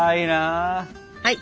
はい！